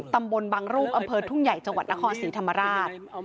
ตำบลบางรูปอำเภอทุ่งใหญ่จังหวัดนครศรีธรรมราช